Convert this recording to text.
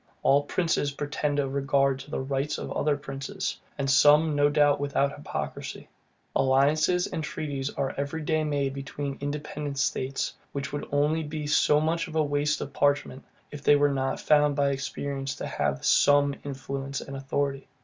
All princes pretend a regard to the rights of other princes; and some, no doubt, without hypocrisy. Alliances and treaties are every day made between independent states, which would only be so much waste of parchment, if they were not found by experience to have SOME influence and authority.